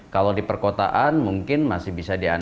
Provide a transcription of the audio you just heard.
kalau di perkotaan mungkin masih bisa diandal